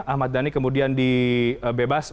ahmad dhani kemudian di bebas